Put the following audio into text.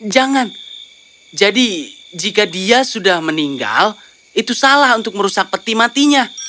jangan jadi jika dia sudah meninggal itu salah untuk merusak peti matinya